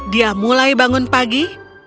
dia mulai bangun pagi